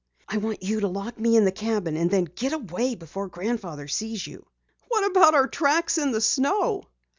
"I want you to lock me in the cabin and then get away before Grandfather sees you!" "What about our tracks in the snow?"